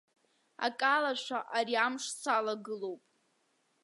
Акалашәа ари амш салагылоуп.